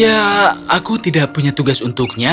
ya aku tidak punya tugas untuknya